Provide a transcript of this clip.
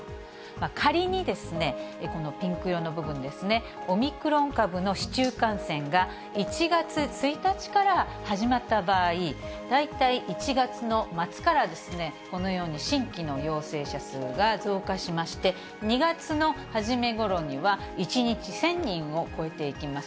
仮に、このピンク色の部分ですね、オミクロン株の市中感染が、１月１日から始まった場合、大体１月の末からですね、このように新規の陽性者数が増加しまして、２月の初めごろには、１日１０００人を超えていきます。